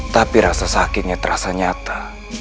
tapi rasa sakitnya terasa nyata